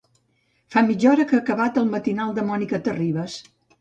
Fa mitja hora que ha acabat el matinal de Mònica Terribas.